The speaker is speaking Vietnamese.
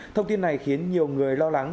thông tin này khiến nhiều người lo lắng